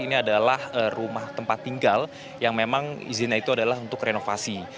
ini adalah rumah tempat tinggal yang memang izinnya itu adalah untuk renovasi